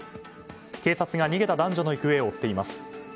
警察が逃げた男女の行方を追っています。